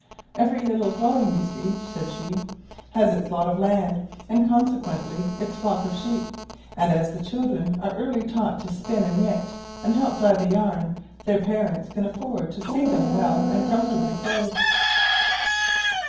"Every little dwelling you see," said she, "has its lot of land, and, consequently, its flock of sheep; and, as the children are early taught to spin, and knit, and help dye the yarn, their parents can afford to see them well and comfortably clothed.